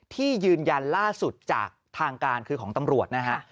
ที่ยืนยันล่าสุดจากทางการคือของตำรวจนะฮะ